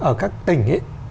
ở các tỉnh ấy